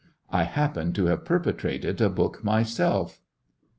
I happen to have perpetrated a book myself.